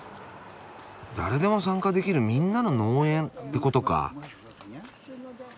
誰でも参加できるみんなの農園ってことか。